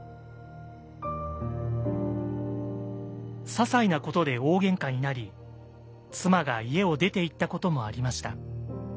ささいなことで大げんかになり妻が家を出ていったこともありました。